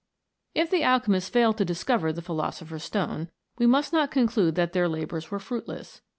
If the alchemists failed to discover the philoso pher's stone, we must not conclude that their labours were fruitless.